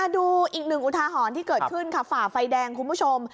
ดูอีกหนึ่งอุทาหรณ์ที่เกิดขึ้นค่ะฝ่าไฟแดงคุณผู้ชม